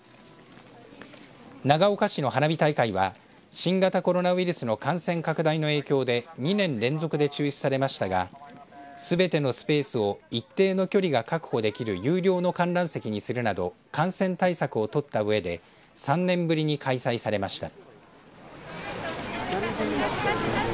長岡市の花火大会は新型コロナウイルスの感染拡大の影響で２年連続で中止されましたがすべてのスペースを一定の距離が確保できる有料の観覧席にするなど感染対策を取ったうえで３年ぶりに開催されました。